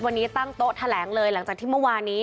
วันนี้ตั้งโต๊ะแถลงเลยหลังจากที่เมื่อวานี้